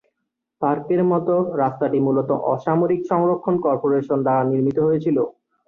পার্কের মতো, রাস্তাটি মূলত অসামরিক সংরক্ষণ কর্পোরেশন দ্বারা নির্মিত হয়েছিল।